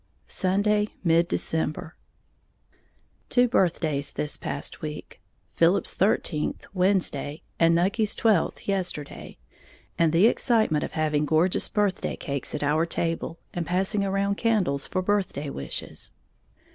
Sunday, mid December. Two birthdays this past week, Philip's thirteenth, Wednesday, and Nucky's twelfth yesterday, and the excitement of having gorgeous birthday cakes at our table, and passing around candles for birthday wishes.